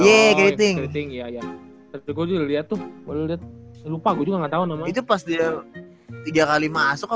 ya giting iya gue lihat tuh gue lupa gue juga nggak tahu namanya itu pas dia tiga kali masuk